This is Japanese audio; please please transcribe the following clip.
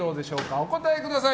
お答えください。